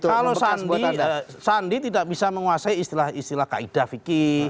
kalau sandi tidak bisa menguasai istilah istilah kaedah vicky